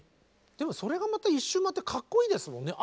でもそれがまた一周回ってかっこいいですもんね。